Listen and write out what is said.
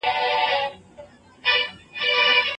مراقبه مو ذهني روغتیا ته ګټه رسوي.